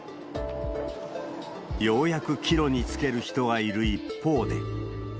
ようやく帰路につける人がいる一方で。